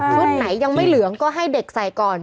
ไหนยังไม่เหลืองก็ให้เด็กใส่ก่อน